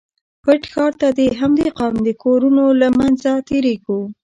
پټ ښار ته د همدې قوم د کورونو له منځه تېرېږو.